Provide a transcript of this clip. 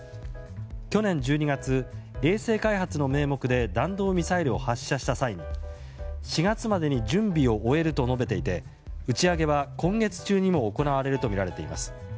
去年１２月、衛星開発の名目で弾道ミサイルを発射した際に４月までに準備を終えると述べていて打ち上げは今月中にも行われるとみられています。